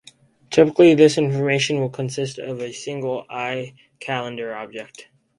Typically, this information will consist of a single iCalendar object.